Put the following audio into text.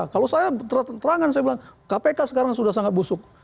kalau saya terang terangan saya bilang kpk sekarang sudah sangat busuk